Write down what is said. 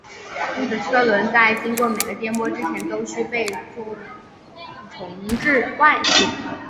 因此车轮在经过每个颠簸之前都须被重置惯性。